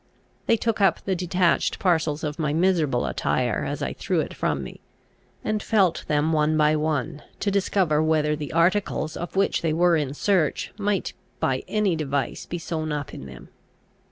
They took up the detached parcels of my miserable attire as I threw it from me, and felt them one by one, to discover whether the articles of which they were in search might by any device be sewn up in them.